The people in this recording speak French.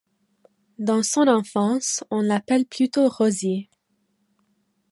Dans son enfance, on l'appelle plutôt Rosie.